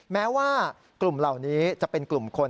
แม้ว่ากลุ่มเหล่านี้จะเป็นกลุ่มคน